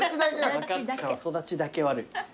若槻さんは育ちだけ悪い。